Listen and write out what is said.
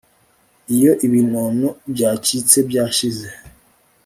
iyo ibinono byacitse byashize